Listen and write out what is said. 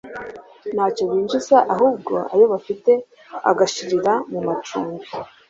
ntacyo binjiza ahubwo ayo bafite agashirira mu macumbi